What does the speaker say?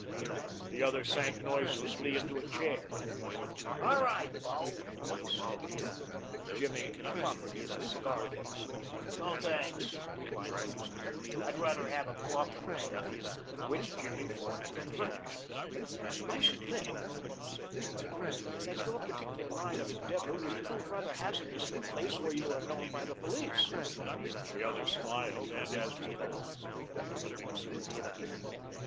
The other sank noiselessly into a chair. "All right, bo," he said. Jimmy proffered him his cigar case. "No, thanks," declined the visitor. "I'd rather have a coffin nail," which Jimmy forthwith furnished. "I should think," said Jimmy, "that your particular line of endeavor would prove rather hazardous in a place where you are known by the police." The other smiled and, as before, with his lips alone.